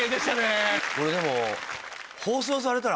これでも。